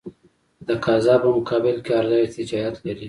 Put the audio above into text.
د تقاضا په مقابل کې عرضه ارتجاعیت لري.